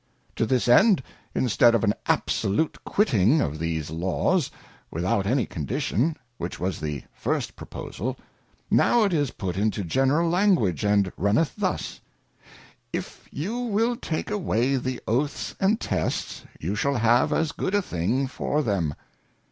To this end, instead of an absolute quitting of these_ Laws, without any Condition ; which was the first Proposal ; now it is put into gentler Language, and runneth thus; If you will take away the Oaths and Tests, you shall have as good a thine/ for them.